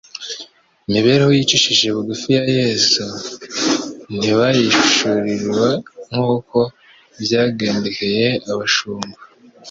Imibereho yicishije bugufi ya Yesu ntibayihishurirwa nk'uko byagendekeye abashumba.